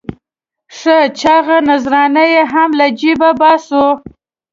ښه چاغه نذرانه یې هم له جېبه باسو.